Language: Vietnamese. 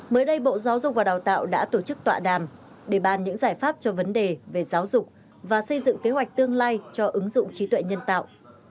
mới đây bộ giáo dục và đào tạo đã tổ chức tọa đàm để bàn những giải pháp cho vấn đề về giáo dục và xây dựng kế hoạch tương lai cho ứng dụng trí tuệ nhân tạo